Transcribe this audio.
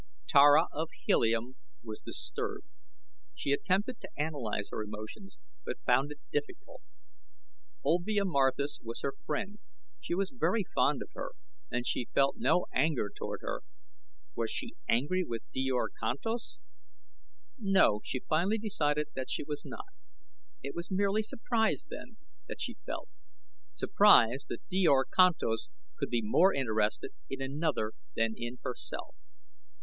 Tara of Helium was disturbed. She attempted to analyze her emotions; but found it difficult. Olvia Marthis was her friend she was very fond of her and she felt no anger toward her. Was she angry with Djor Kantos? No, she finally decided that she was not. It was merely surprise, then, that she felt surprise that Djor Kantos could be more interested in another than in herself.